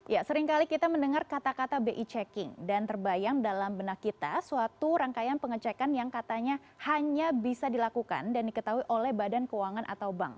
ya seringkali kita mendengar kata kata bi checking dan terbayang dalam benak kita suatu rangkaian pengecekan yang katanya hanya bisa dilakukan dan diketahui oleh badan keuangan atau bank